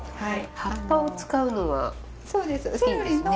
葉っぱを使うのはいいですね。